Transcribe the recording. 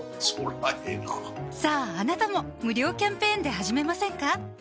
そりゃええなさぁあなたも無料キャンペーンで始めませんか？